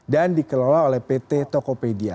dan dikelola oleh pt tokopedia